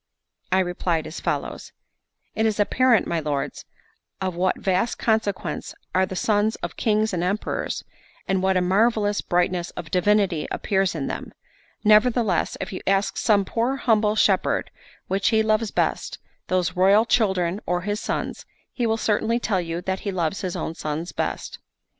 I replied as follows: "It is apparent, my lords, of what vast consequence are the sons of kings and emperors, and what a marvellous brightness of divinity appears in them; nevertheless, if you ask some poor humble shepherd which he loves best, those royal children or his sons, he will certainly tell you that he loves his own sons best.